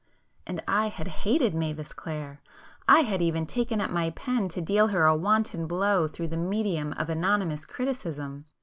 And I had hated Mavis [p 315] Clare!—I had even taken up my pen to deal her a wanton blow through the medium of anonymous criticism